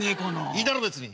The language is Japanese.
いいだろう別に。